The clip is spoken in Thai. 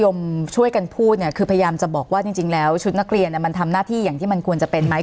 ช่วยกันพูดเนี่ยคือพยายามจะบอกว่าจริงแล้วชุดนักเรียนมันทำหน้าที่อย่างที่มันควรจะเป็นไหม